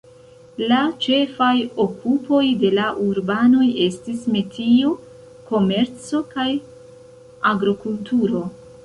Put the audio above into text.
La ĉefaj okupoj de la urbanoj estis metio, komerco kaj agrokulturo.